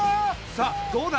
さあどうだ？